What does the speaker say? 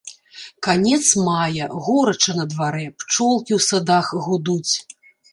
Канец мая, горача на дварэ, пчолкі ў садах гудуць.